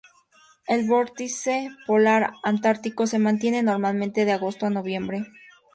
El vórtice polar antártico se mantiene normalmente de agosto a noviembre.